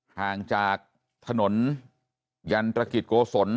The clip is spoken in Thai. ห่างจากถนนยันตรกิจโกศล